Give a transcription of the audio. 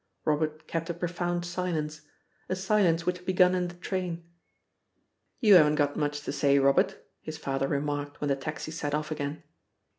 Robert kept a profound silence a silence which had begun in the train. "You haven't got much to say, Robert," his father remarked when the taxi set off again.